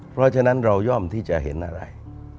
เพราะฉะนั้นเราย่อมที่จะเห็นอะไร